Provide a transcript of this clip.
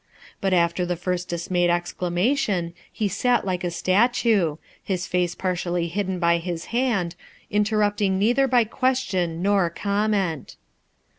But after the first dismayed J elamation he eat like a statue, his face partially hidden by his hand, interrupting neither by question nor comment.